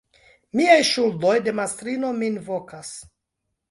Miaj ŝuldoj de mastrino min vokas.